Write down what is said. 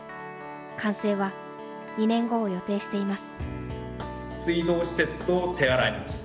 完成は２年後を予定しています。